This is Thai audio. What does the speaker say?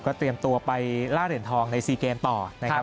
เตรียมตัวไปล่าเหรียญทองใน๔เกมต่อนะครับ